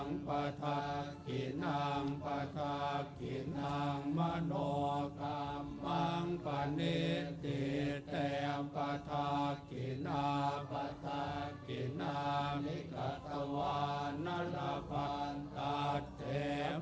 นาพทะกินามิกษะวานาลาฟันตะเทพทะกิเนเอ